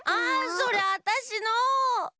それあたしの！